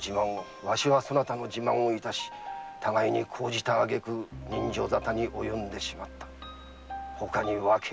わしはそなたの自慢を致しそのあげく刃傷沙汰に及んでしまったのだ。